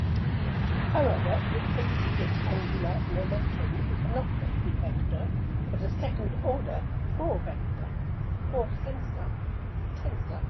However, relativistic angular momentum is not a three-vector, but a second order four-tensor.